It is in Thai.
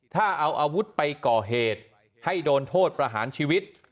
ถ้าเอาอาวุธไปก่อเหตุให้โดนโทษประหารชีวิต